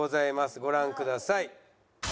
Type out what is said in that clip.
ご覧ください。